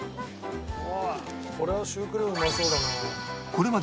これはシュークリームうまそうだな。